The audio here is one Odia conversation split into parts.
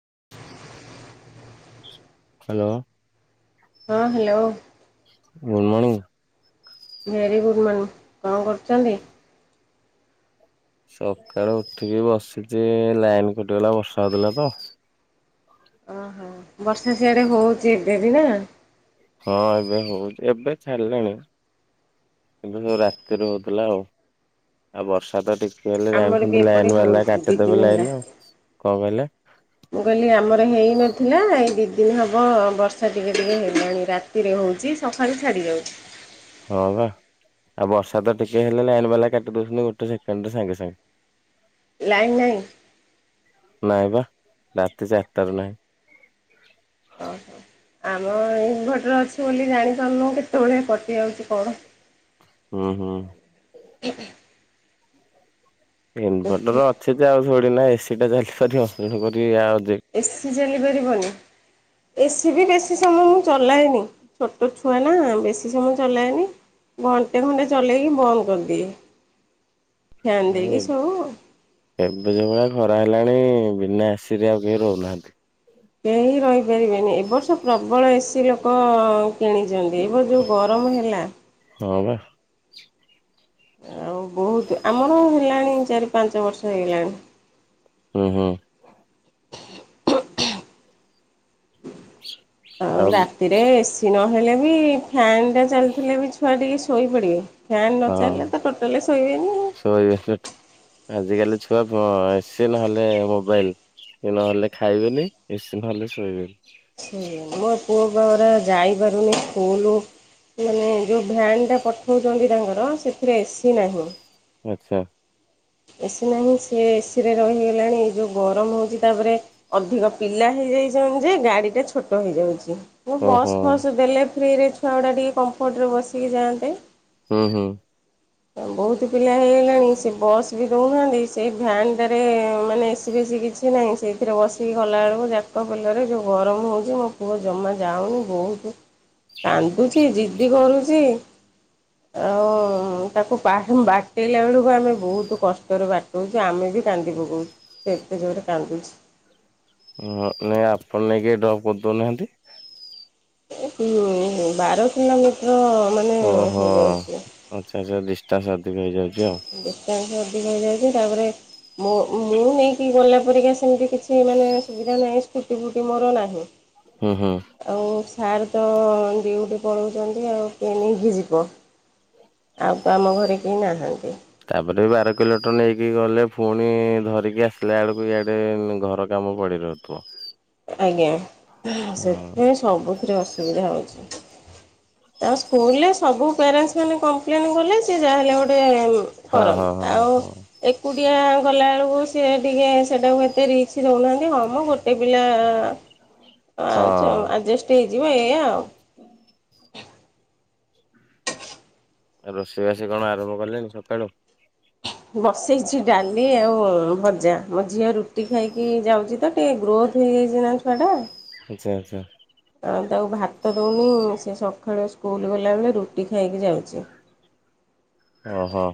[inaudible] ହାଲୋ। ହଁ hello. Good morning. Very good morning କଣ କରୁଚନ୍ତି? ସକାଳୁ ଉଠିକି ବସିଚି ଲାଇନ କଟିଗଲା ବର୍ଷା ହେଉଥିଲା ତ। ଓହୋ ବର୍ଷା ସିଆଡେ ହଉଚି ଏବେ ବି ନା। ହଁ ଏବେ ହଉଚି ଏବେ ଛାଡିଲାଣି। କିନ୍ତୁ ରାତିରେ ହଉଥିଲା ଆଉ ବର୍ଷା ତ ଠିକ ହେଲେ ଆମର ବି ଜାଣିଚନ୍ତି ଏପଟେ ଲାଇନ ବାଲା ହଉଛି ଦି ଦିନ କାଟିଦେବେ ହେଲା। ଲାଇନ ଆଉ କଣ କହିଲେ? ମୁଁ କହିଲି ଆମର ହେଇ ନଥିଲା ଏଇ ଦି ଦିନ ହବ ବର୍ଷା ଟିକେ ଟିକେ ହେଲାଣି ରାତିରେ ହଉଚି ସକାଳୁ ଛାଡ଼ିଯାଉଚି। ହଁ ବା ଆଉ ବର୍ଷା ତ ଟିକେ ହେଲେ ଲାଇନ ବାଲା କାଟି ଦଉଚନ୍ତି ଗୋଟେ ସେକେଣ୍ଡରେ ସାଙ୍ଗେ ସାଙ୍ଗେ ଲାଇନ ନାଇଁ। ନାଇଁ ବା। ରାତି ଚାରଟାରୁ ନାହିଁ। ଓ ହୋ। ଆମ ଇନଭଟର ଅଛି ବୋଲି ଜାଣିପାରୁନୁ କେତେବେଳେ କଟି ଯାଉଚି କଣ। ହୁଁ ହୁଁ। ଇନଭର୍ଟର ଅଛି ଯେ ଆଉ ଥୋଡି ନା ଏସି ଟା ଚାଲିବ ତେଣୁକରି ଆଉ ଯେ ଏସିି ଚାଲିପାରିବନି। ଏସି ବି ବେଶୀ ସମୟ ମୁଁ ଚଲାଏନି ଛୋଟ ଛୁଆ ନା ବେଶୀ ସମୟ ଚଲାଏନି। ଘଣ୍ଟେ ଘଣ୍ଟେ ଚଲେଇକି ବନ୍ଦ କରିଦିଏ। ଫ୍ୟାନ୍ ଭାଇ ଦେଇକି ସବୁ ଏବେ ଏବେ ଯଉ ଭଳିଆ ଗର ହେଲାଣି ବିନା ଏସିରେ ଆଉ କେହି ରହୁନାହାନ୍ତି। କେହି ରହିପାରିବେନି, ଏ ବର୍ଷ ପ୍ରବଳ ଏସି ଲୋକ କିଣି ଏବେ ଯୋଉ ଗରମ ହେଲା। ହଁ ବା। ଆଉ ବହୁତ ଆମର ହେଲାଣି ଚାରି ପାଞ୍ଚ ବର୍ଷ ହେଇଗଲାଣି। ହୁଁ ହୁଁ । ଆଉ ରାତିରେ ଏସି ନ ହେଲେ ବି ଫ୍ୟାନ୍ ଟା ଚାଲିଥିଲେ ବି ଛୁଆ ଟିକେ ଶୋଇପଡ଼ିବେ । ଫ୍ୟାନ ନ ହଁ ଚାଲିଲେ ତ ଟୋଟାଲି ଶୋଇବେନି। ଶୋଇବେ ସେଠି ଆଜିକାଲି ଛୁଆ ବ ଏସି ନହଲେ ମୋବାଇଲ । ନହେଲେ ଖାଇବେନି ଏସି ନହେଲେ ଶୋଇବେନି। ସେଇଆ ମୋ ପୁଅ ବା ପରା ଯାଇ ପାରୁନି ସ୍କୁଲ। ମାନେ ଯୋଉ ଭ୍ୟାନ ଟା ପଠଉଛନ୍ତି ତାଙ୍କର ସେଥିରେ ଏସି ନାହିଁ। ଆଚ୍ଛା । ଏସି ନାହିଁ ସେ ଏସି ରେ ରହିଗଲାଣି ଏ ଯୋଉ ଗରମ ହଉଛି ତାପରେ ଅଧିକ ପିଲା ହେ ହେଇ ଯାଇ ଛନ୍ତି ଯେ ଗାଡି ଟା ଛୋଟ ହେଇ ଯାଉଛି। ଓହୋ। ବସ୍ ଫସ୍ ଦେଲେ ଫ୍ରିରେ ଛୁଆ ଗୁଡା ଟିକେ କମ୍ଫର୍ଟ ରେ ବସିକି ଯାଆନ୍ତେ । ହୁଁ ହୁଁ । ବହୁତ ପିଲା ହେଇଗଲାଣି ସେ ବସ୍ । ବି ଦଉନାହାନ୍ତି ସେଇ ଭ୍ୟାନଟାରେ ମାନେ ଏସି ଫେଶି କିଛି ନାହିଁ ସେଇଥିରେ ବସିକି ଗଲାବେଳକୁ ଯା ଯାକ ପେଲା ରେ ଯୋଉ ଗରମ ହଉଛି ମୋ ପୁଅ ଜମା ଯାଉନି ବହୁତ କାନ୍ଦୁଛି ଜିଦ୍ଦି କରୁଚି। ଆଉ ତାକୁ ପା ହେମ ବାଟେଇଲା ବେଳକୁ ଆମେ ବହୁତ। କଷ୍ଟରେ ବାଟଉଚୁ ଆମେ ବି କାନ୍ଦି ପକାଉଛୁ ସେ ଏତେ ଜୋରେ କାନ୍ଦୁଛି । ହଁ ନାଇଁ ଆପଣ ନେଇକି ଡ୍ରପ୍ କରି ଦଉ ନାହାନ୍ତି। ବାର କିଲୋମିଟର । ଓହୋ ଆଚ୍ଛା ଆଚ୍ଛା ଡିଷ୍ଟାନ୍ସ ଅଧିକ ହେଇଯାଉଛି ଆଉ । ହେଇଯାଇଛି ତାପରେ ମୋ ମୁଁ ନେଇକି ଗଲା ପରିକା ସେମିତି କିଛି ମାନେ ସୁବିଧା ନାହିଁ । ସ୍କୁଟି ଫୁଟି ମୋର ନାହିଁ । ହୁଁ ହୁଁ । ସାର୍ ତ ଡିଉଟି ପଳଉଚନ୍ତି ଆଉ କିଏ ନେଇକି ଯିବ । ଆଉ ତ ଆମ ଘରେ କେହି ନାହାନ୍ତି। ଏପଟେ ବି ବାର କିଲୋମଟର ନେଇକି ଗଲେ ପୁଣି ଧରିକି ଆସିଲା ବେଳକୁ ଇଆଡ଼େ ଘର କାମ ପଡ଼ିରହିବ । ଯାଉଥିବ। ଆଜ୍ଞା ସେଥିପାଇଁ ସବୁଥିରେ ଅସୁବିଧା ହଉଛି । [inaudible] ତାଙ୍କ ସ୍କୁଲରେ ସବୁ ପ୍ୟାରେଣ୍ଟସ ମାନେ କମ୍ପ୍ଲେନ କଲେ ସେ ଯାହା ହେଲେ ଗୋଟେ । ହଁ ହଁ କରନ୍ତେ ଆଉ ହଁ ଏକୁଟିଆ । ଗଲା ବେଳକୁ ସିଏ ଟିକେ ସେଟାକୁ ଏତେ ରିକ୍ସ ଦଉନାହାନ୍ତି ହଁ ମ ଗୋଟେ । ପିଲା ହଁ ଚଲୁ ଆଡ଼ଯେଷ୍ଟ ହେଇଯିବ ଏଇଆ ଆଉ। [inaudible] ଆଉ ରୋଷେଇ ବାସି କଣ ଆରମ୍ଭ କଲେଣିି ସକାଳୁ। ବସେଇଛି ଡାଲି ଆଉ ଭଜା ମୋ ଝିଅ ରୁଟି ଖାଇକି ଯାଉଛି ତ ଟିକେ ଗ୍ରୋଥ ହେଇ ଯାଇଛି । ଛି ନା ଛୁଆଟା । ଆଚ୍ଛା ଆଚ୍ଛା । ଆମେ ତାକୁ ଭାତ ଦଉନୁ ସେ ସକାଳୁ ସ୍କୁଲ ଗଲାବେଳେ ରୁଟି ଖାଇକି ଯାଉଛି। ଓ ହୋ।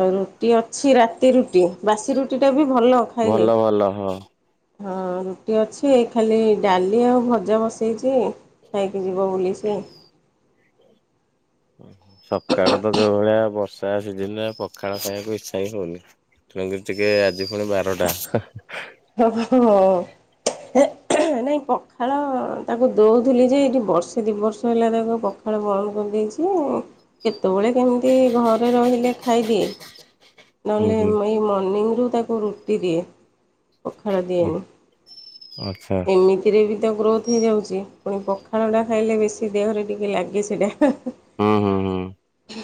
ଆଉ ରୁଟି ଅଛି ରାତି ରୁଟି ବାସି ରୁଟି ଟା ବି। ଭଲ ଖାଇଲେ ଭଲ ଭଲ ହଁ । ହଁ ରୁଟି ଅଛି ଖାଲି ଡାଲି ଆଉ ଭଜା ବସେଇଛି ଖାଇକି ଯିବ ବୋଲି ସେ। ଏକ ହ ଉଁ ହୁଁ ସକାଳୁ ତ ଯୋଉ ଭଳିଆ ବର୍ଷା ସିଜନରେ ପଖାଳ ଖାଇବାକୁ ଇଚ୍ଛା ହିଁ ହଉନି । ଠିଆ ହେଇଚୁ ଆଜି ଟିକେ ପୁଣି ବାରଟା। ଓହୋ। ନାଇଁ ପଖାଳ ତାକୁ ଦେଉଥିଲି ଯେ ଏଇଠି ବର୍ଷେ ଦୁଇ ବର୍ଷ ହେଲା ତାକୁ ପଖାଳ ବନ୍ଦ କର ଦେଇଚୁ କେତେବେଳେ କେମିତି ଘରେ ରହିଲେ ଖାଇଦିଏ। ହୁଁ ନହେଲେ ହୁଁ ଏଇ ମର୍ଣ୍ଣିିଂରୁ ତାକୁ ରୁଟି ଦିଏ ପଖଳ ଦିଏନି। ଆଚ୍ଛା ଏମିତିରେ ବି ତ ଗ୍ରୋଥ୍ ହେଇଯାଉଛି ପୁଣି ପଖାଳଟା ଖାଇଲେ ବେଶୀ ଦେହରେ ଟିକେ ଲାଗେ ସେଇଟା। ହୁଁ ହୁଁ ହୁଁ। ଉଁ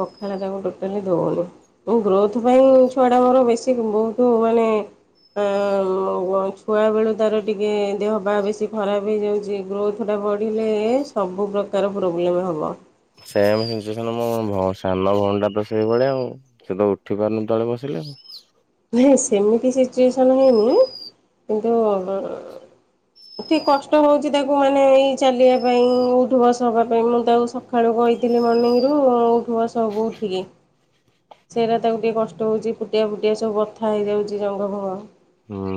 ପଖାଳ ତାକୁ ଟୋଟାଲି ଦେଉନି ମୁଁ ଗ୍ରୋଥ ପାଇଁ ଛୁଆଟା ମୋର ବେଶୀ ବହୁତ ମାନେ ଆ ଛୁଆ ବେଳୁ ତାର ଟିକେ ଦେହ ବାହା ବେଶୀ ଖରାପ ହେଇଯାଉଛି ଗ୍ରୋଥ ଟା ବଢିଲେ ସବୁ ପ୍ରକାର ପ୍ରୋବ୍ଲେମ ହବ। ସେମ୍ ଇଂଞ୍ଜେସ୍କନ ମୁଁ ସାନ ଭଉଣି ତ ସେଇଭଳିଆ ଆଉ ସେ ତ ଉଠି ପାରୁନି ତଳେ ବସିଲେ। ହୁଁ। ନାଇଁ ସେମିତି ସିଚୁଏସନ୍ ହେଇନି କିନ୍ତୁ ଠିକ୍ କଷ୍ଟ ହଉଛି ତାକୁ ମାନେ ଏଇ ଚାଲିବା ପାଇଁ ଉଠ ବସ ହେବା ପାଇଁ ମୁଁ ତାକୁ ସକାଳୁ କହିଥିଲି ମର୍ଣ୍ଣିଂ ରୁ ଉଠୁ ସବ ହବୁ ଉଠିକି। ସେଇଟା ତାକୁ ଟିକେ କଷ୍ଟ ହଉଛି ଫୁଟିଆ ଫୁଟିଆ ସବୁ ବଥା ହେଇଯାଉଛି ଜଙ୍ଗ ଫଙ୍ଗ। ହୁଁ।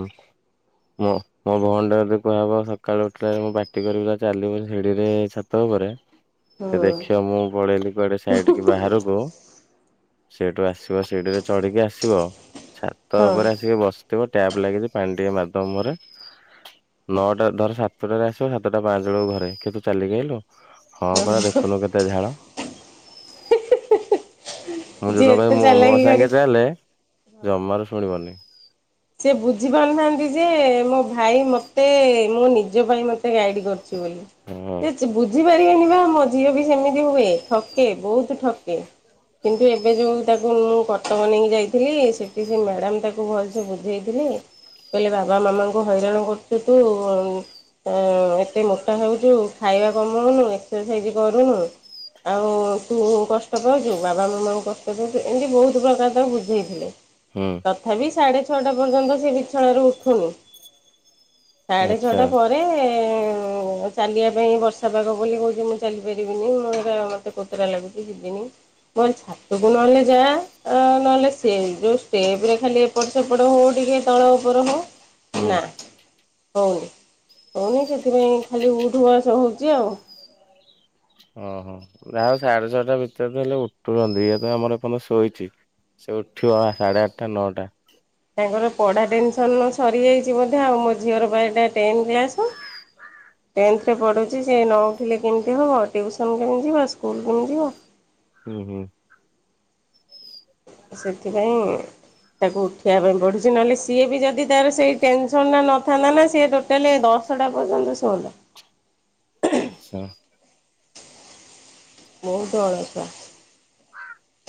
ମୋ ମୋ ଭଉଣି ଟା ଯଦି କୁହାହବ ସକାଳୁ ଉଠିଲା ମୁଁ ପାଟି କରିବ ଚାଲିବ ଶିଢରେ ଛାତ ଘରେ ସେ ହୁଁ ଦେଖେ ମୁଁ ପଳେଇଲି କୁଆଡେ ସାଇଡ କି ବାହାରକୁ ସେଠୁ ଆସିବ ସିଢିରେ ଚଢିକି ଆସିବ ଛାତ ହଁ। ଉପରେ ଆସିକି ବସ ଟ୍ୟାପ ଲାଗିଛି ପାଣି ଟିକେ ମାଧ୍ୟମରେ ନଅଟା ଧର ସାତ ସାତଟାରେ ଆସିବ ସାତଟା ପାଞ୍ଚ ବେଳକୁ ଘରେ କି ତୁ ଚାଲି ଆଇଲୁ ହଁ ପରା ଦେଖୁନୁ କେତେ ଝାଳ। ମୁଁ ଯିଏ ଯୋଦନ ଏତେ କହିଲି ମୋ ଚାଲାକି କରି ସାଙ୍ଗେ ଚାଲେ ଜମାରୁ ଶୁଣିବନି। ସେ ବୁଝି ପାରୁନାହାନ୍ତି ଯେ ମୋ ଭାଇ ମତେ ମୋ ନିଜ ପାଇଁ ମତେ ଗାଇଡ ହଁ କରୁଛି। ବୁଝିପାରିବେନି ବା ମ ଝିଅ ବି ସେମିତି ହୁଏ ଠକେ ବହୁତ ଠକେ। କିନ୍ତୁ ଏବେ ଯୋଉ ତାକୁ ମୁଁ କଟକ ନେଇକି ଯାଇଥିଲି ସେଠି ସେ ମ୍ୟାଡାମ ତାକୁ ଭଲ ସେ ବୁଝେଇଥିଲି କହିଲେ ବାବା ମାମାଙ୍କୁ ହଇରାଣ କରୁଛୁ ତୁ। ହ ଏତେ ମୋଟା ହଉଛୁ ଖାଇବା କମଉନୁ ଏକ୍ସରସାଇଜ କରୁନୁ। ଆଉ ତୁ କଷ୍ଟ ପାଉଛୁ ବାବା ମାମାଙ୍କୁ କଷ୍ଟ ଦଉଛୁ ଏମିତି ବହୁତ ପ୍ରକାର ତ ବୁଝେଇଥିଲେ। ହୁଁ। ତଥାପି ସାଢ଼େ ଛଅଟା ପର୍ଯ୍ୟନ୍ତ ସେ ବିଛଣାରୁ ଉଠୁନି। ସାଢ଼େ ଆଚ୍ଛା ଛଅଟା ପରେ ଏ ହୁଁ ଚାଲିବା ପାଇଁ ବର୍ଷା ପାଗ ବୋଲି କହୁଛି ମୁଁ ଚାଲି ପାରିବିନି ମୁଁ ଏ ମତେ କତରା ଲାଗୁଛି ଯିବିନି। ମୋର ଛାତକୁ ନହଲେ ଯା ଆ ନହଲେ ସେ ଯୋଉ ଷ୍ଟେପ ରେ ଖାଲି ଏପଟ ସେପଟ ହଉ ଟିକେ ତଳ ଉପର ହଉ। ହୁଁ। ନା ହଉନି ହଉନି ସେଥିପାଇଁ ଖାଲି ଉଠୁ ବସ ହଉଛି ଆଉ। ଓହୋ ରାହୁ ସାଢ଼େ ଛଅଟା ଭିତରେ ହେଲେ ଉଠୁଛନ୍ତି ଇଏ ତ ଆମର ଏପଯ୍ୟନ୍ତ ଶୋଇଛି। ସେ ଉଠିବ ସାଢ଼େ ଆଠଟା ନଅଟା। ତାଙ୍କର ପଢ଼ା ଟେନସନ ନ ସରିଯାଇଛି ବୋଧେ ଆଉ ମୋ ଝିଅର ପା ଟେନ୍ କ୍ଲାସ। ଟେନ୍ଥରେ ପଢ଼ୁଛି ସେ ନଉଠିଲେ କେମିତି ହବ ଟ୍ୟୁସନ୍ କେମିତି ଯିବ ସ୍କୁଲ କେମିତି ଯିବ। ହୁଁ ହୁଁ। ସେଥିପାଇଁ ତାକୁ ଉଠେଇବା ପାଇଁ ପଡୁଛି ନହେଲେ ସିଏ ବି ଯଦି ତାର ସେଇ ଟେନସନ ଟା ନଥାନ୍ତା ନା ସେ ଟୋଟାଲି ଦ ଦଶଟା ପର୍ଯ୍ୟନ୍ତ ସୋଲ। ଆଚ୍ଛା। ବହୁତ ଅଳସୁଆ।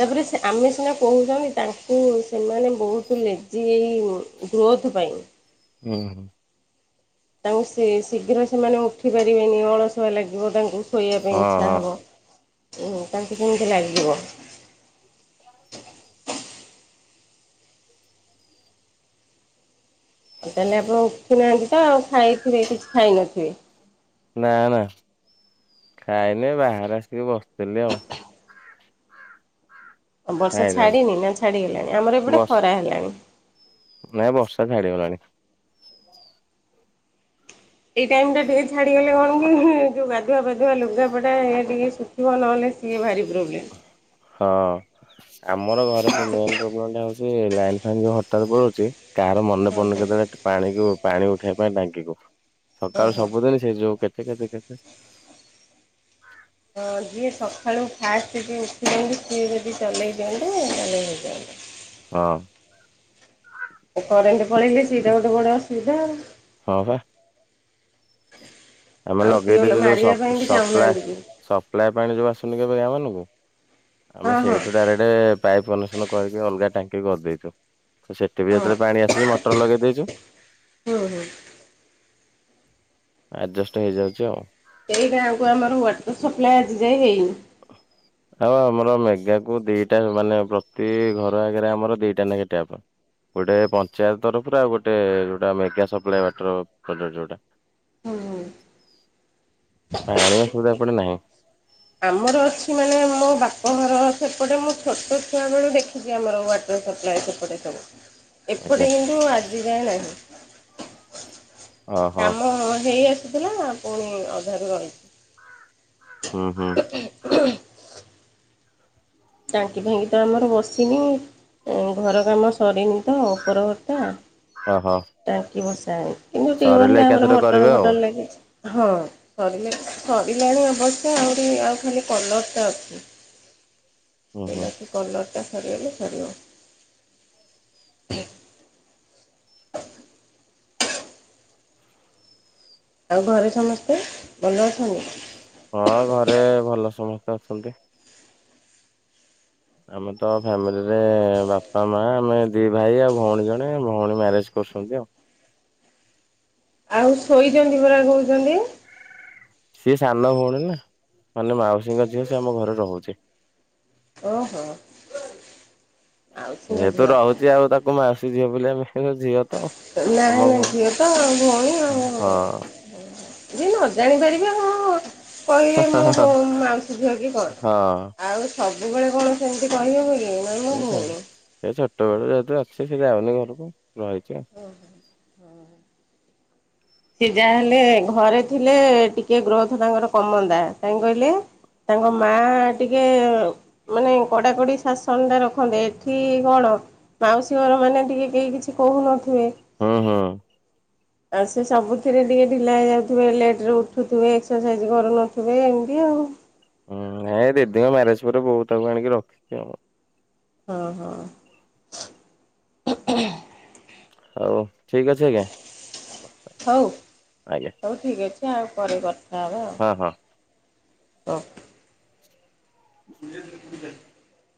ବୁରିସ୍ ଆମେ ସିନା କହୁଛନ୍ତି ତାଙ୍କୁ ସେମାନେ ବହୁତ ଲେଜି ଏଇ ଗ୍ରୋଥ ପାଇଁ। ହୁଁ ହୁଁ। ତାଙ୍କୁ ସେ ଶୀଘ୍ର ସେମାନେ ଉଠି ପାରିବେନି ଅଳସୁଆ ଲାଗିବ ତାଙ୍କୁ। ଶୋଇବା ପାଇଁ ହଁ ଇଚ୍ଛା ହଁ ହବ। ଉଁ ତାଙ୍କୁ କେମିତି ଲାଗିବ? ତାହେଲେ ଆପଣ ଉଠୁନାହାନ୍ତି ତ ଆଉ ଖାଇଥିବେ କିଛି ଖାଇନଥିବେ। ନାଁ ନାଁ ଖାଇନି ବାହାରେ ଆସିକି ବସିଥିଲି ଆଉ। ବର୍ଷା ଥାଇଲାଣ୍ଡ ଛାଡିନି ନା ଛାଡିଗଲାଣି ଆମର ଏପଟେ ବର୍ଷ ଖରା ହେଲାଣି। ନାଇଁ ବର୍ଷା ଛାଡିଗଲାଣି। ଏଇ ଟାଇମ ଟା ଟିକେ ଛାଡିଗଲେ କଣ କି ଯୋଉ ଗାଧୁଆ ପାାଧୁଆ ଲୁଗାପଡା ଟିକେ ଶୁଖିବ ନହେଲେ ସିଏ ଭାରି ପ୍ରୋବ୍ଲେମ୍। ହଁ ଆମର ଘରେ ମେନ୍ ପ୍ରୋବ୍ଲେମ ଟା ହଉଛି ଲାଇନ୍ ଫାଇନ୍ ଯୋଉ ହଠାତ୍ ପଳଉଛି କାହାର ମନେ ପନେ କେତେବେଳେ ପାଣିକୁ ପାଣି ଉଠେଇବା ପାଇଁ ଟାଙ୍କିକୁ। ସକାଳୁ ଓହୋ। ସବୁଦିନ ସେ ଯୋଉ କେତେ କେତେ କେତେ ଟିକେ ଉଠିଚନ୍ତି ସିଏ ଯଦି ଚଲେଇ ଦିଅନ୍ତେ ତାହେଲେ ହେଇଯାନ୍ତା। ହଁ। କରେଣ୍ଟ ପଳେଇଲେ ସେଇଟା ଗୋଟେ ବଡ ଅସୁବିଧା ଆଉ। ହଁ ପା। [inaudible] ଆମେ ଆଉ ଲଗେଇ ଟିଅଲ ଦେଇଛୁ ଯୋଉ ମାରିବା ସପ୍ ପାଇଁ ବି ସପ୍ଲାଏ ଚାହୁଁନାହାନ୍ତି କି ସପ୍ଲାଏ ପାଣି ଯୋଉ ଆସୁନି କି ମାନଙ୍କୁ। ହଁ ଆମେ ହଁ ସେଇଠୁ ଡାଇରେଟ ପାଇପ୍ କନେକଷନ କରିକି ଅଲଗା ଟାଙ୍କି କରିଦେଇଛୁ। ତ ସେଠି ବି ହଁ। ଯେତେବେଳେ ପାଣି ଆସୁଛି ମଟର ଲଗେଇ ଦେଇଛୁ। ହୁଁ ହୁଁ ଆଡଜେଷ୍ଟ ହେଇଯାଉଛି ଆଉ। ଏଇ ଗାଁକୁ ଆମର ୱାଟର ସପ୍ଲାଏ ଆଜି ଯାଏଁ ହେଇନି। ଆଉ ଆମର ମେ ବେକୁ ଦିଟା ମାନେ ପ୍ରତି ଘର ଆଗରେ ଆମର ଦିଟା ନାଖେ ଟ୍ୟାପ। ଗୋଟେ ପଞ୍ଚାୟ ତରଫରୁ ଆଉ ଗୋଟେ ଯୋଉଟା ମେଗା ସପ୍ଲାଏ ୱେଟର ପାଖରେ ଯୋଉଟା। ହୁଁ ହୁଁ। ପଢ଼ାପଢ଼ି ନାହିଁ। ଆମର ଅଛି ମାନେ ମୋ ବାପଘର ସେପଟେ ମୁଁ ଛୋଟ ଛୁଆ ବେଳୁ ଦେଖିଛି ଆମର ୱାଆଟର ସପ୍ ଲାଏ ସେପଟେ କର। ଆଜ୍ଞା ଏପଟେ କିନ୍ତୁ ଆଜି ଯାଏଁ ନାହିଁ ଓହୋ କାମ ହେଇଆସୁ ଥିଲା ପୁଣି ଅଧାରୁ ରହିଚି। ହୁଁ ହୁଁ। ଟାଙ୍କି ଫାଙ୍କି ତ ଆମର ବସିନି। ଘର କାମ ସରିନି ତ ଉପରଘରଟା । ଓହୋ। ଟାଙ୍କି ବଷା ଏମିତି ସରିଲେ ଏକାଥରେ ମଟର କରିବେ ଆଉ ଫଟର ଲାଗିଛି। ହଁ ସରିଲା ସରିଲାଣି ଅବଶ୍ୟ ଆହୁରି ଆଉ ଖାଲି କଲରଟା ଅଛି। ହ [unintelligible] ସେଇଥିଲାଗି କଲର ସରିଲେ ସରିବ। ଆଉ ଘରେ ସମସ୍ତେ ଭଲ ଅଛନ୍ତି? ହଁ, ଘରେ ଭଲ ସମସ୍ତେ ଅଛନ୍ତି। ଆମେ ତ ଫ୍ୟାମିଲିରେ ବାପା ମା ଆମେ ଦି ଭାଇ ଆଉ ଭଉଣୀ ଜଣେ ଭଉଣୀ ମ୍ୟାରେଜ କରି କରୁଛନ୍ତି ଆଉ। ଆଉ ଶୋଇଛନ୍ତି ପରା କହୁଛନ୍ତି। ସିଏ ସାନ ଭଉଣୀ ନା ମାନେ ମାଉସୀଙ୍କ ଝିଅ ସେ ଆମ ଘରେ ରହୁଛି। ଓହୋ। ମାଉସୀଙ୍କ ଯେହେତୁ ଝିଅ ରହୁଛି ଆଉ ତାକୁ ମାଉସୀ ଝିଅ ବୋଲି ଆମେ ଝିଅ। ତ ନା ଆମ ଭ ସିଏତ ଭଉଣୀ। ହଁ ଯିଏ ନ ଜାଣି ପାରିବି ହଁ। କହିଲେ ମୁଁ ହଁ ମାଉସୀ ଝିଅ କି କଣ? ହଁ। ଆଉ ସବୁବେଳେ କଣ ସେମିତି? କହିହେବ କି ନାଇଁ ମୋ ସେ ଭଉଣୀ ଛୋଟ ବଳ ଯେହେତୁ ଅଛିେ ସେ ଯାଉନି ଘରକୁ ରହିଛି ଆଉ। ହଁ। [unintelligible] ସେ ଯାହା ହେଲେ ଘରେ ଥିଲେ ଟିକେ ଗ୍ରୋଥ ତାଙ୍କର କମତା କାହିଁ କହିଲେ? ତାଙ୍କ ମା ଟିକେ ମାନେ କଡାକଡି ଶାସନ ଟା ରଖନ୍ତେ ଏଠି । କଣ ମାଉସୀ ଘର ମାନେ ଟିକେ କେହି କିଛି କହୁନନ୍ତି? ହଁ ହଁ। ଆଉ ସେ ସବୁଥିରେ ଟିକେ ଢିଲା ହେଇଯାଉଥିବେ ଲେଟ ରେ ଉଠୁଥିବେ ଏକ୍ସରସାଇଜ କରୁନଥିବେ ଏମିତି ଆଉ। ହଁ, ନାଇଁ ଦିଦିଙ୍କ ମ୍ୟାରେଜ ପରେ ବୋ ତାକୁ ଆଣିକି ରଖିଥିଵ। ହଁ ହଁ। ହଉ ଠିକ୍ ଅଛି ଆଜ୍ଞା ହଉ ଆଜ୍ଞା । ହଉ ଠିକ୍ ଅଛି ଆଉ ପରେ କଥା ହେବା। ଆଉ ହ [unintelligible]